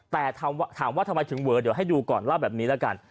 แต่ถามว่าทำไมถึงเวอเดี๋ยวให้ดูก่อนเล่าแบบนี้แล้วกัน